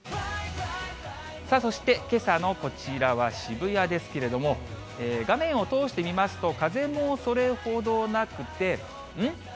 さあ、そしてけさのこちらは渋谷ですけれども、画面を通してみますと、風もそれほどなくて、ん？